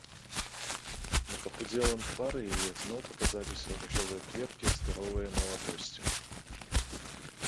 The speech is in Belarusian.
На пахудзелым твары яе зноў паказаліся ружовыя кветкі здаровае маладосці.